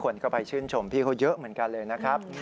คนก็ไปชื่นชมพี่เขาเยอะเหมือนกันเลยนะครับ